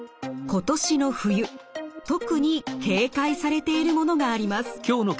今年の冬特に警戒されているものがあります。